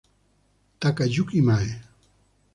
Takayuki Mae